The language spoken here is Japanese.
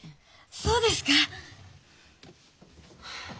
そうですか？